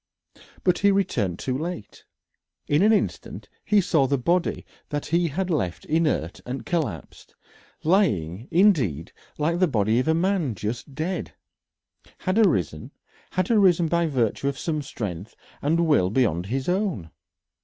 But he returned too late. In an instant he saw the body that he had left inert and collapsed lying, indeed, like the body of a man just dead had arisen, had arisen by virtue of some strength and will beyond his own.